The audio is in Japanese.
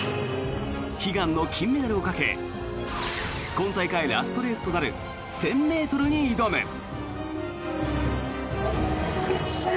悲願の金メダルをかけ今大会ラストレースとなる１０００ｍに挑む。